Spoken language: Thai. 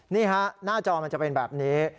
นี่ฮะหน้าจอมันจะเป็นแบบนี้